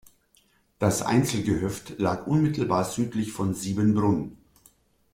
Das Einzelgehöft lag unmittelbar südlich von Siebenbrunn.